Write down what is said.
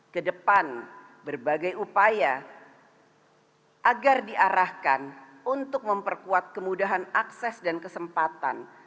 kedepan berbagai upaya agar diarahkan untuk memperkuat kemudahan akses dan kesempatan